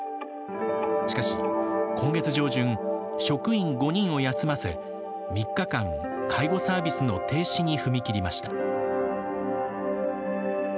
しかし、今月上旬職員５人を休ませ３日間、介護サービスの停止に踏み切りました。